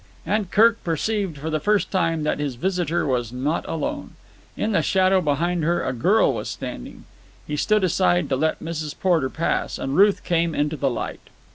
And Kirk perceived for the first time that his visitor was not alone. In the shadow behind her a girl was standing. He stood aside to let Mrs. Porter pass, and Ruth came into the light.